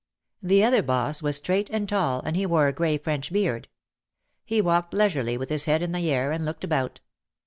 The other boss was straight and tall and he wore a grey French beard. He walked leisurely with his head in the air and looked about.